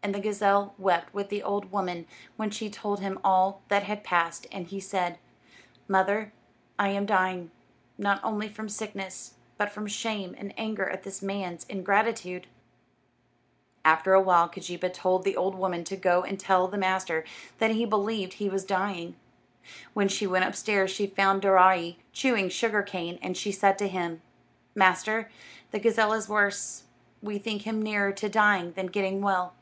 And the gazelle wept with the old woman when she told him all that had passed, and he said, "Mother, I am dying, not only from sickness, but from shame and anger at this man's ingratitude." After a while Keejeepaa told the old woman to go and tell the master that he believed he was dying. When she went upstairs she found Daaraaee chewing sugar cane, and she said to him, "Master, the gazelle is worse; we think him nearer to dying than getting well."